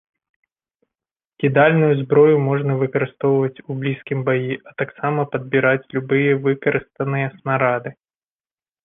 Кідальную зброю можна выкарыстоўваць у блізкім баі, а таксама падбіраць любыя выкарыстаныя снарады.